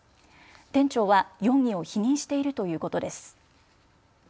店長は容疑を否認しているということです。